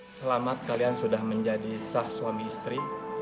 selamat kalian sudah menjadi sah suami istri